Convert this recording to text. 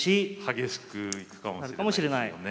激しくいくかもしれないですよね。